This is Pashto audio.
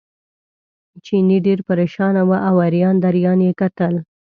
چیني ډېر پرېشانه و او اریان دریان یې کتل.